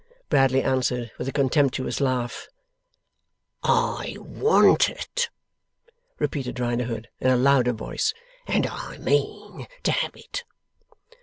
Bradley answered with a contemptuous laugh. 'I want it,' repeated Riderhood, in a louder voice, 'and I mean to have it.